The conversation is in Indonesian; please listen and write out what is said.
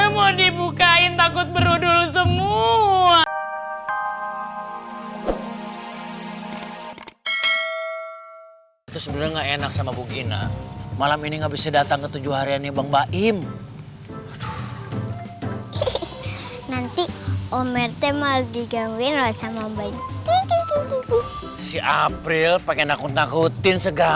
mau dibukain takut berudul semua